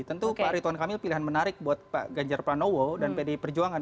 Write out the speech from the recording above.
tentu pak rituan kamil pilihan menarik buat pak ganjar pranowo dan pdi perjuangan